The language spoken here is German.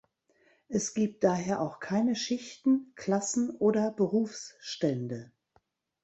Es gibt daher auch keine Schichten, Klassen oder Berufsstände.